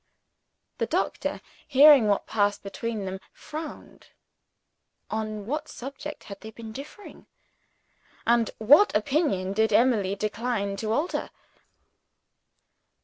The doctor, hearing what passed between them, frowned. On what subject had they been differing? And what opinion did Emily decline to alter?